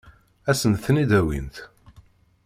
Ad sent-ten-id-awint?